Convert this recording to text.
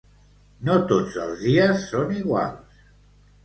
No tots els dies són iguals.